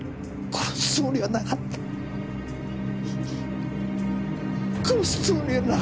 殺すつもりはなかったんだ。